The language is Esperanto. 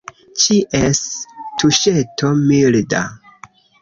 Ĉies tuŝeto – milda.